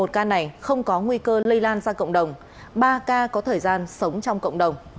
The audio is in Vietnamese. một ca này không có nguy cơ lây lan ra cộng đồng ba ca có thời gian sống trong cộng đồng